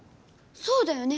そうだよね！